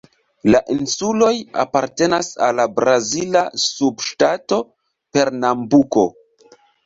La insuloj apartenas al la brazila subŝtato Pernambuko.